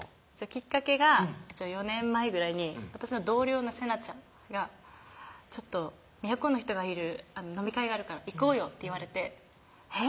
きっかけが４年前ぐらいに私の同僚のせなちゃんが「宮古の人がいる飲み会があるから行こうよ」って言われてえっ？